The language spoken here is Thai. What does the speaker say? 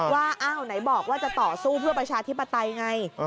ว่าอ้าวไหนบอกว่าจะต่อสู้เพื่อประชาธิปไตยไง